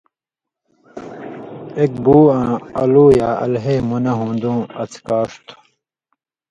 ایک بُو آں الُو یا الہے منہ ہون٘دُوں اڅھکاݜ تھُو۔